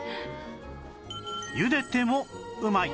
ゆでてもうまい！